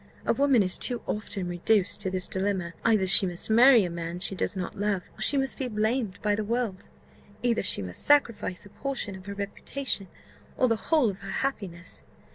A woman is too often reduced to this dilemma: either she must marry a man she does not love, or she must be blamed by the world either she must sacrifice a portion of her reputation, or the whole of her happiness."